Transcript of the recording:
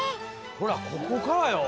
ほらここからよ。